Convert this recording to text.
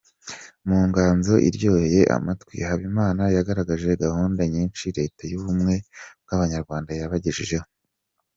Mu nganzo iryoheye amatwi, Habimana yagaragaje gahunda nyinshi leta y’ubumwe bw’Abanyarwanda yabagejejeho.